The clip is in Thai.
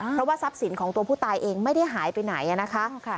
เพราะว่าทรัพย์สินของตัวผู้ตายเองไม่ได้หายไปไหนนะคะ